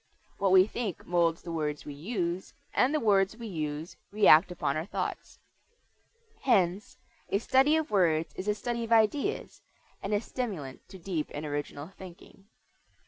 What we think molds the words we use, and the words we use react upon our thoughts. Hence a study of words is a study of ideas, and a stimulant to deep and original thinking.